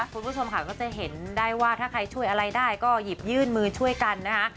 คุณผู้ชมค่ะก็จะเห็นได้ว่าถ้าใครช่วยอะไรได้ก็หยิบยื่นมือช่วยกันนะคะ